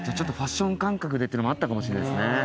ファッション感覚でってのもあったかもしれないですね。